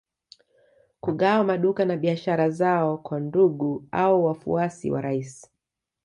Kugawa maduka na biashara zao kwa ndugu au wafuasi wa rais